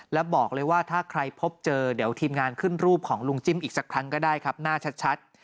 แล้วบอกเลยว่าถ้าใครพบเจอเดี๋ยวทีมงานขึ้นรูปของลุงจิ้มอีกสักครั้งก็ได้ครับหน้าชัด